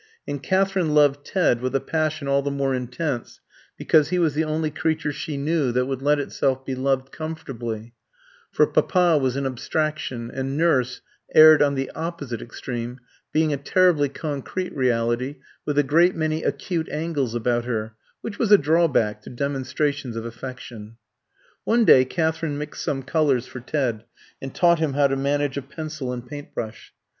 And Katherine loved Ted with a passion all the more intense because he was the only creature she knew that would let itself be loved comfortably; for "Papa" was an abstraction, and "Nurse" erred on the opposite extreme, being a terribly concrete reality, with a great many acute angles about her, which was a drawback to demonstrations of affection. One day Katherine mixed some colours for Ted and taught him how to manage a pencil and paint brush.